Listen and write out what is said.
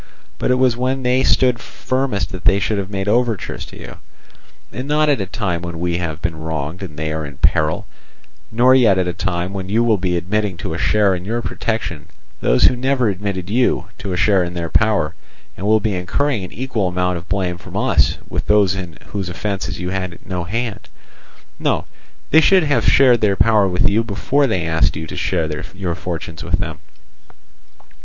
But it was when they stood firmest that they should have made overtures to you, and not at a time when we have been wronged and they are in peril; nor yet at a time when you will be admitting to a share in your protection those who never admitted you to a share in their power, and will be incurring an equal amount of blame from us with those in whose offences you had no hand. No, they should have shared their power with you before they asked you to share your fortunes with them.